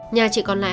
nhà chị còn lại